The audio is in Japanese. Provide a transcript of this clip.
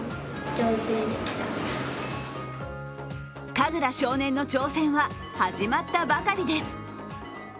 神楽少年の挑戦は、始まったばかりです。